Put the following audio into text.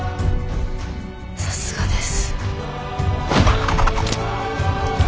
さすがです。